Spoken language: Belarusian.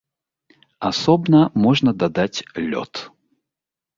Асобна можна дадаць лёд.